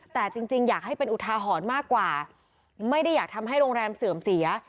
แต่จริงอยากให้เป็นอุทาหรณ์มากกว่าไม่ได้อยากทำให้โรงแรมเสื่อมเสีย